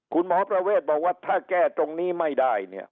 คุณหมอประเวทบอกว่าถ้าแก้ตรงนี้ไม่ได้เนี่ย